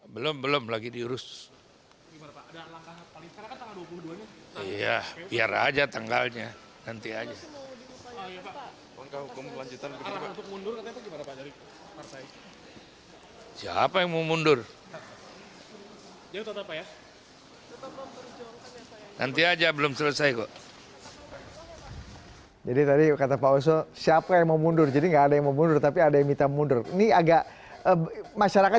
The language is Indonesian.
belum belum lagi diurus